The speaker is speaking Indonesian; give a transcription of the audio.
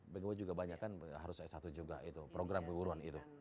bgu juga banyak kan harus s satu juga itu program perguruan itu